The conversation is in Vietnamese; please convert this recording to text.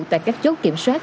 tại các chốt kiểm soát